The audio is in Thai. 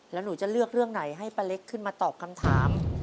แล้วหนูจะเลือกเรื่องไหนให้ป้าเล็กขึ้นมาตอบคำถาม